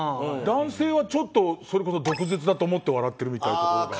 男性はちょっとそれこそ毒舌だと思って笑ってるみたいなところが。